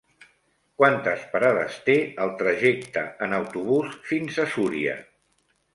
Quantes parades té el trajecte en autobús fins a Súria?